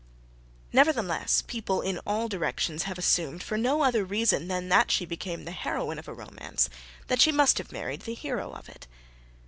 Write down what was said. Nevertheless, people in all directions have assumed, for no other reason than that she became the heroine of a romance, that she must have married the hero of it.